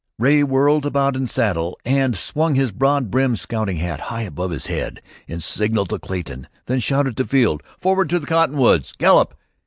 Ray whirled about in saddle, and swung his broad brimmed scouting hat high above his head, in signal to Clayton; then shouted to Field. "Forward to the cottonwoods. Gallop!"